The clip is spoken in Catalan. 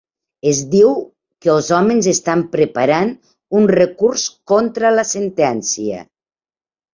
Es diu que els homes estan preparant un recurs contra la sentència.